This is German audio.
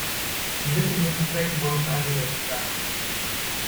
Die Mittel müssen zweckgebunden eingesetzt werden.